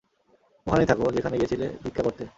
ওখানেই থাকো, যেখানে গিয়েছিলে ভিক্ষা করতে।